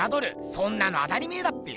そんなの当たり前だっぺよ。